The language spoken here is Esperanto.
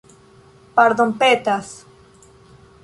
pardonpetas